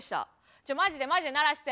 ちょマジでマジで鳴らして。